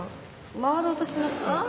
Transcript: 回ろうとしてなくて。